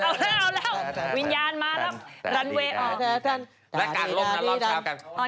แล้วการลบรอบช้า